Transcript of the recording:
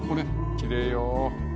きれいよ。